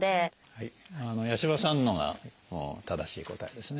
はい八嶋さんのが正しい答えですね。